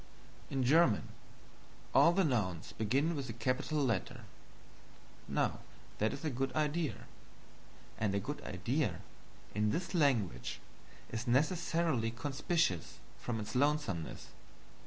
In German, all the Nouns begin with a capital letter. Now that is a good idea; and a good idea, in this language, is necessarily conspicuous from its lonesomeness.